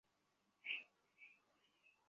হয়ত ওখানে আরো লাশ থাকতে পারে।